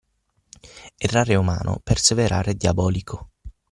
Errare è umano, perseverare è diabolico.